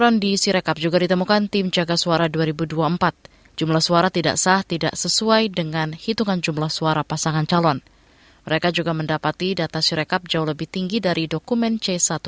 nah dari dunia kriket di bidang kriket